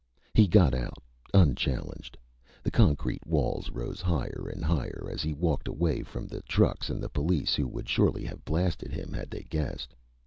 He got out, unchallenged. The concrete walls rose higher and higher as he walked away from the trucks and the police who would surely have blasted him had they guessed.